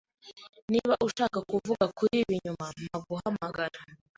Niba ushaka kuvuga kuri ibi nyuma, mpa guhamagara.